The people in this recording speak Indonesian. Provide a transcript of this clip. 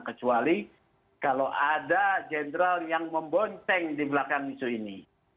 kecuali kalau ada jenderal yang membonceng di belakang isu ini